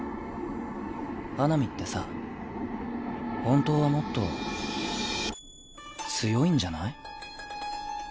花御ってさ本当はもっと強いんじゃない？